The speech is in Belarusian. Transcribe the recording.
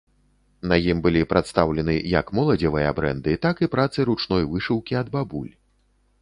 На ім былі прадстаўлены як моладзевыя брэнды, так і працы ручной вышыўкі ад бабуль.